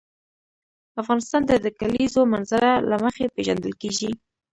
افغانستان د د کلیزو منظره له مخې پېژندل کېږي.